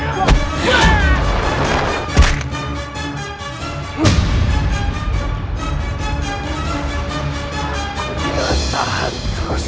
aku tidak akan terus terus